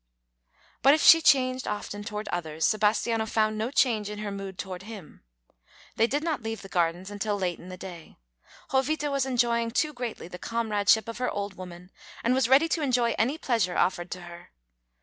But if she changed often toward others, Sebastiano found no change in her mood toward him. They did not leave the gardens until late in the day. Jovita was enjoying too greatly the comradeship of her old woman, and was ready to enjoy any pleasure offered to her.